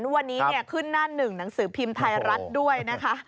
วันนี้ขึ้นหน้าหนึ่งหนังสือพิมพ์ไทยรัฐด้วยนะคะ